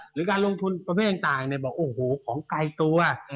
หรือการลงทุนประเภทต่างบอกโอ้โหของไกลตัว